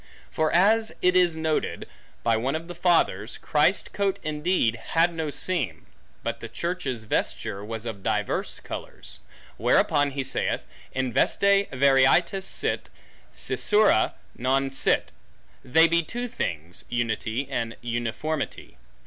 For, as it is noted, by one of the fathers, Christ's coat indeed had no seam, but the church's vesture was of divers colors; whereupon he saith, In veste varietas sit, scissura non sit; they be two things, unity and uniformity.